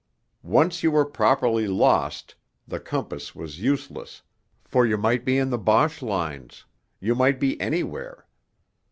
Once you were properly lost the compass was useless, for you might be in the Boche lines, you might be anywhere....